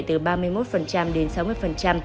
từ ba mươi một đến sáu mươi